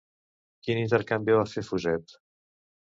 Quin intercanvi va fer Fuset?